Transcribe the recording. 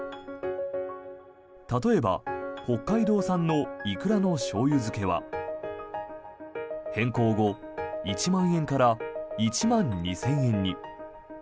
例えば、北海道産のイクラのしょうゆ漬けは変更後１万円から１万２０００円に。